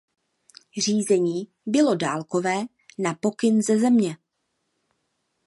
Řízení bylo dálkové na pokyn ze Země.